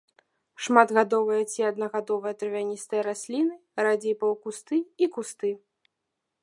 Шматгадовыя ці аднагадовыя травяністыя расліны, радзей паўкусты і кусты.